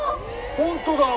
本当だ！